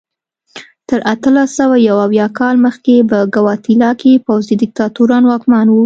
تر اتلس سوه یو اویا کال مخکې په ګواتیلا کې پوځي دیکتاتوران واکمن وو.